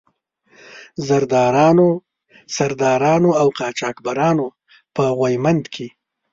زردارانو، سردارانو او قاچاق برانو په غويمند کې.